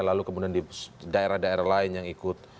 lalu kemudian di daerah daerah lain yang ikut